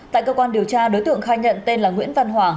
tại cơ quan điều tra đối tượng khai nhận tên là nguyễn văn hòa